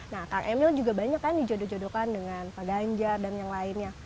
nah kang emil juga banyak kan dijodoh jodohkan dengan pak ganjar dan yang lainnya